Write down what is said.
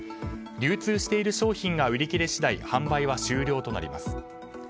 流通している商品が売り切れ次第販売は終了となります。